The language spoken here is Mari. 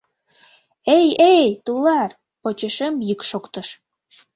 — Эй-эй, тулар! — почешем йӱк шоктыш.